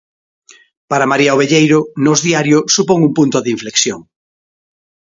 Para María Obelleiro, Nós Diario supón un punto de inflexión.